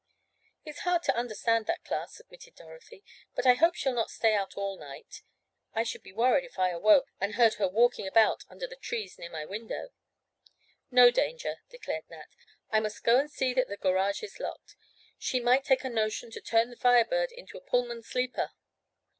"It's hard to understand that class," admitted Dorothy. "But I hope she'll not stay out all night. I should be worried if I awoke, and heard her walking about under the trees near my window." "No danger," declared Nat. "I must go and see that the garage is locked. She might take a notion to turn the Fire Bird into a Pullman sleeper."